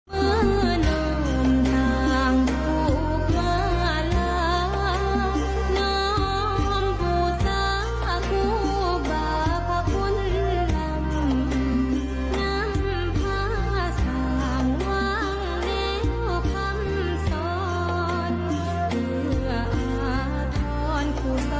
เวลาสร้างหวังแรงคำสอนเพื่ออาทรปศนสันย์